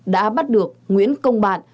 đã bắt được nguyễn công bạn